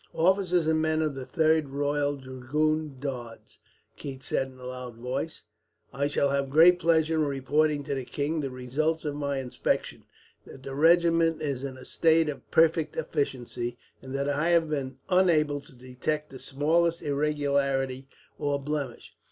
"Officers and men of the 3rd Royal Dragoon Guards," Keith said in a loud voice, "I shall have great pleasure in reporting to the king the result of my inspection, that the regiment is in a state of perfect efficiency, and that I have been unable to detect the smallest irregularity or blemish.